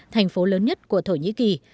thành phố lớn nhất của thổ nhĩ kỳ